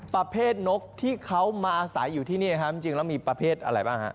ประเภทนกที่เขามาอาศัยอยู่ที่นี่ครับจริงแล้วมีประเภทอะไรบ้างฮะ